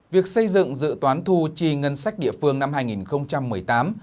việc xây dựng dự toán thu chi ngân sách địa phương năm hai nghìn một mươi tám